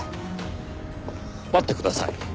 待ってください。